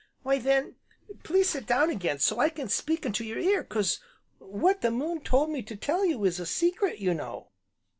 "Why then please sit down again, so I can speak into your ear, 'cause what the Moon told me to tell you was a secret, you know."